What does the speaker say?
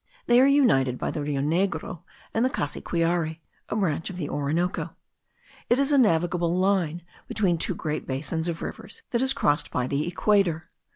They are united by the Rio Negro and the Cassiquiare, a branch of the Orinoco; it is a navigable line, between two great basins of rivers, that is crossed by the equator.